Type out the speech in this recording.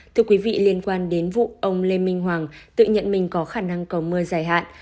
thưa quý vị liên quan đến vụ ông lê minh hoàng tự nhận mình có khả năng cầu mưa dài hạn